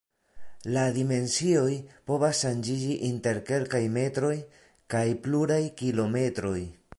La dimensioj povas ŝanĝiĝi inter kelkaj metroj kaj pluraj kilometroj.